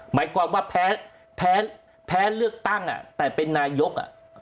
หมายความว่าแพ้เลือกตั้งแต่เป็นนายก